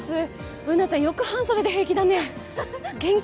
Ｂｏｏｎａちゃん、よく半袖で平気だね、元気。